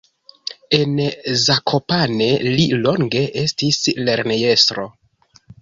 En Zakopane li longe estis lernejestro.